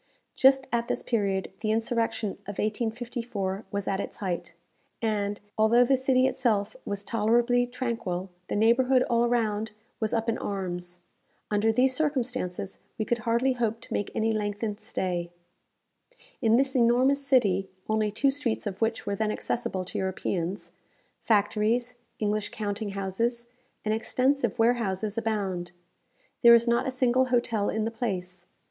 Just at this period the insurrection of 1854 was at its height, and, although the city itself was tolerably tranquil, the neighbourhood all around was up in arms. Under these circumstances, we could hardly hope to make any lengthened stay. In this enormous city (only two streets of which were then accessible to Europeans), factories, English counting houses, and extensive warehouses abound. There is not a single hotel in the place.